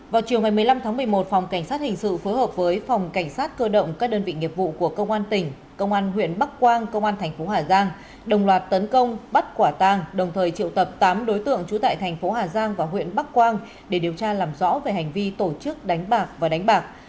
vào chiều một mươi năm tháng một mươi một phòng cảnh sát hình sự phối hợp với phòng cảnh sát cơ động các đơn vị nghiệp vụ của công an tỉnh công an huyện bắc quang công an thành phố hà giang đồng loạt tấn công bắt quả tang đồng thời triệu tập tám đối tượng trú tại thành phố hà giang và huyện bắc quang để điều tra làm rõ về hành vi tổ chức đánh bạc và đánh bạc